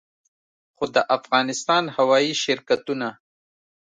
خو د افغانستان هوايي شرکتونه